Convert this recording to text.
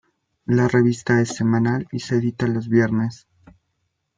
La revista es semanal y se edita los viernes.